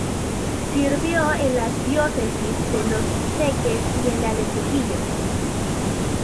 Sirvió en las diócesis de Los Teques y en la de Trujillo.